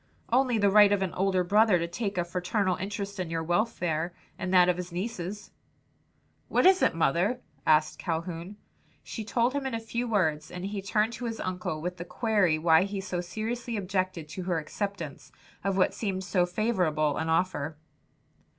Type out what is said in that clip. "Only the right of an older brother to take a fraternal interest in your welfare and that of his nieces." "What is it, mother?" asked Calhoun. She told him in a few words, and he turned to his uncle with the query why he so seriously objected to her acceptance of what seemed so favorable an offer.